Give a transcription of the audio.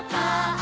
あ。